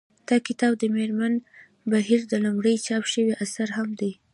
دا کتاب د مېرمن بهیر لومړنی چاپ شوی اثر هم دی